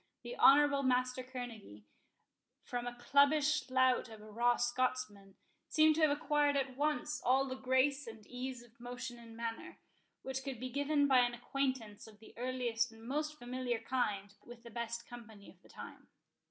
The honourable Master Kerneguy, from a cubbish lout of a raw Scotsman, seemed to have acquired at once all the grace and ease of motion and manner, which could be given by an acquaintance of the earliest and most familiar kind with the best company of the time.